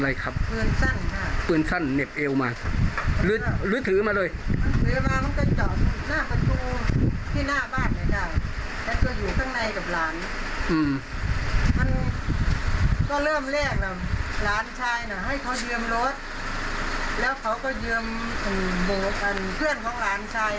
หลานชายน่ะให้เขายืมรถแล้วเขาก็ยืมเพื่อนของหลานชาย